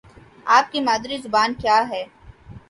آپ کی مادری زبان کیا ہے؟